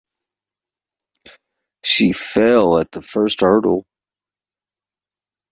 She fell at the first hurdle.